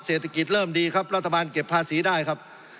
เศรษฐกิจเริ่มดีครับรัฐบาลเก็บภาษีได้ครับ